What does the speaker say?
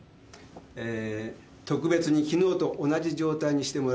えー特別にきのうと同じ状態にしてもらいます。